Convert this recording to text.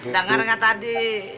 dengar gak tadi